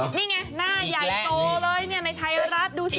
นี่ไงหน้าใหญ่โตเลยในทัยรัดดูสิ